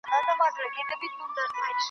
او ښکنځل نه اورېدلي او نه مي .